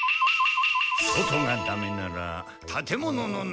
外がダメならたてものの中。